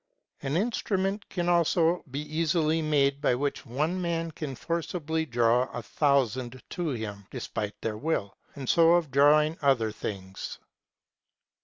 An instrument can also be easily made by which one man can forcibly draw a thou sand to him, despite their will ; and so of drawing other things.